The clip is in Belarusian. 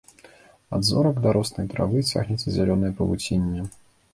Ад зорак да роснай травы цягнецца зялёнае павуцінне.